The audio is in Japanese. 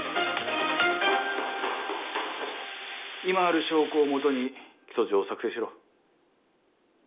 今ある証拠をもとに起訴状を作成しろ。